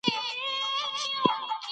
زده کړه یوازې په لیکلو نه ده.